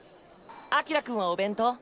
輝君はお弁当？